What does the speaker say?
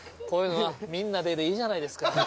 こういうのは「みんなで」でいいじゃないですか。